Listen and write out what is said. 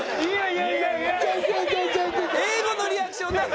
英語のリアクションなの？